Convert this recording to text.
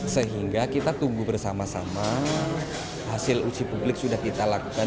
sehingga kita tunggu bersama sama hasil uji publik sudah kita lakukan